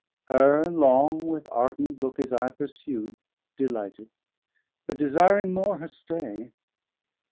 Her long with ardent look his Eye pursu'd Delighted, but desiring more her stay.